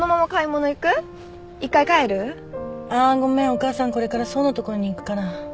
お母さんこれから想の所に行くから。